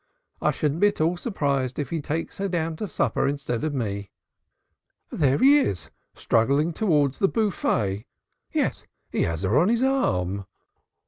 I shouldn't be at all surprised if he takes her down to supper instead of me." "There he is, struggling towards the buffet. Yes, he has her on his arm."